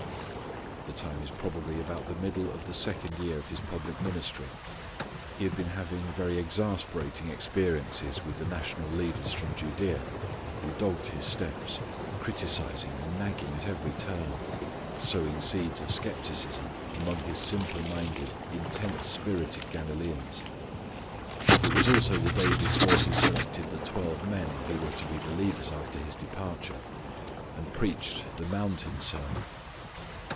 The time is probably about the middle of the second year of His public ministry. He had been having very exasperating experiences with the national leaders from Judea who dogged His steps, criticising and nagging at every turn, sowing seeds of skepticism among His simple minded, intense spirited Galileans. It was also the day before He selected the twelve men who were to be the leaders after His departure, and preached the mountain sermon.